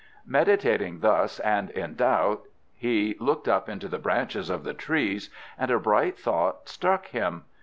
Meditating thus, and in doubt, he looked up into the branches of the trees, and a bright thought struck him.